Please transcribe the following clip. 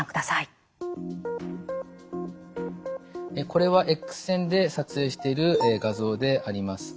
これはＸ線で撮影している画像であります。